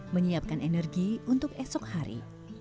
menyiapkan energi untuk esok hari